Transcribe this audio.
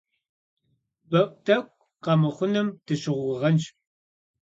БэӀутӀэӀу къэмыхъуным дыщыгугъынщ.